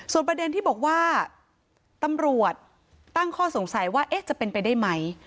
ประเด็นที่บอกว่าตำรวจตั้งข้อสงสัยว่าจะเป็นไปได้ไหม